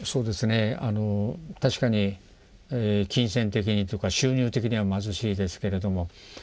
確かに金銭的にとか収入的には貧しいですけれども。